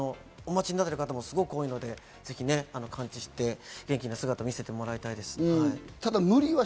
待っている方もすごく多いと思うので、ぜひ完治して元気な姿を見せてもらいたいです。